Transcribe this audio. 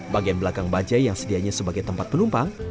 bagian belakang bajai yang sedianya sebagai tempat penumpang